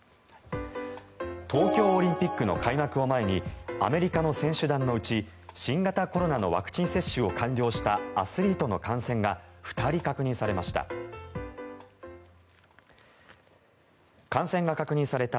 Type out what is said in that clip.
東京オリンピックの開幕を前にアメリカの選手団のうち新型コロナのワクチン接種を完了したアスリートの感染が２人確認されました。